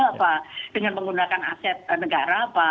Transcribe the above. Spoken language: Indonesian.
apa dengan menggunakan aset negara apa